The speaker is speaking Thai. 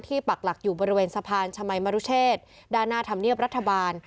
ปักหลักอยู่บริเวณสะพานชมัยมรุเชษด้านหน้าธรรมเนียบรัฐบาล